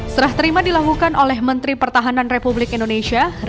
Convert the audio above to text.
serah terima dilakukan oleh menteri pertahanan republik indonesia ria mizar tenggara